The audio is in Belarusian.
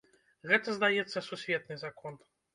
Гэта, здаецца, сусветны закон.